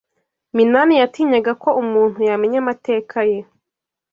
Minani yatinyaga ko umuntu yamenya amateka ye.